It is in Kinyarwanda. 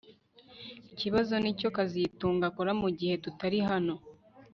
Ikibazo nicyo kazitunga akora mugihe tutari hano